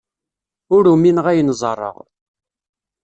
Ur umineɣ ayen ẓerreɣ.